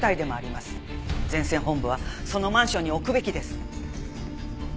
前線本部はそのマンションに置くべきです。